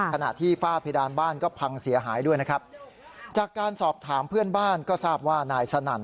ขณะที่ฝ้าเพดานบ้านก็พังเสียหายด้วยนะครับจากการสอบถามเพื่อนบ้านก็ทราบว่านายสนั่น